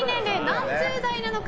何十代なのか。